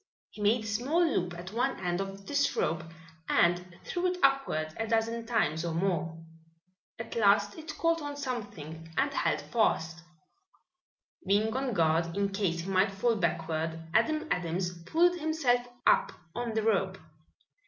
He made a small loop at one end of this rope and threw it upward a dozen times or more. At last it caught on something and held fast. Being on guard, in case he might fall backward, Adam Adams pulled himself up on the rope.